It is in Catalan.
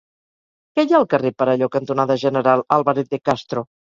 Què hi ha al carrer Perelló cantonada General Álvarez de Castro?